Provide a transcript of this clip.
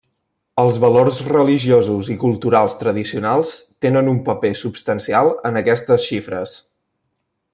Els valors religiosos i culturals tradicionals tenen un paper substancial en aquestes xifres.